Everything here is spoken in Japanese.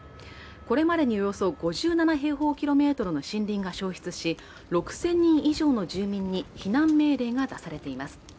これまでにおよそ５７平方キロメートルの森林が焼失し６０００人以上の住民に避難命令が出されています。